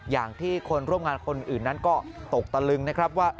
อย่างที่คนร่วมงานคนอื่นนั้นก็ตกตะลึงนะครับว่า